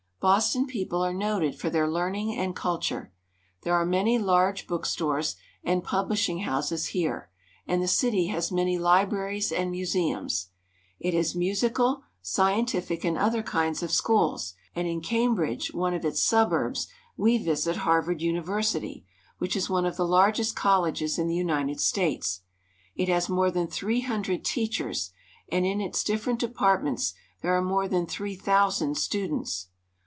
Boston people are noted for their learning and culture. There are many large book stores and publishing houses here, and the city has many libraries and museums. It Scollay Square, Boston. has musical, scientific, and other kinds of schools ; and in Cambridge, one of its suburbs, we visit Harvard Univer sity, which is one of the largest colleges in the United States. It has more than three hundred teachers, and in its different departments there are more than three thou sand students.